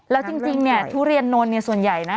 แล้วจริงทุเรียนนนท์ส่วนใหญ่นะ